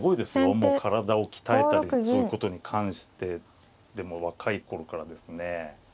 もう体を鍛えたりそういうことに関してでも若い頃からですね